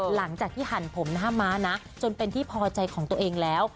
หลังจากที่หั่นผมหน้าม้านะจนเป็นที่พอใจของตัวเองแล้ว